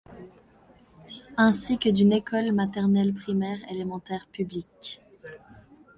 Ainsi que d'une école maternelle-primaire-élémentaire publique.